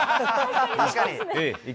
確かに。